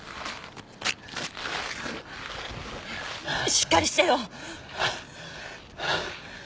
しっかりしてよ。